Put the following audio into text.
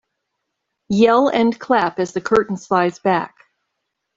Yell and clap as the curtain slides back.